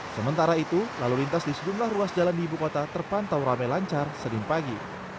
sementara itu lalu lintas di sejumlah ruas jalan di ibu kota terpantau rame lancar senin pagi